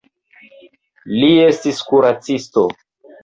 Li estis kuracisto.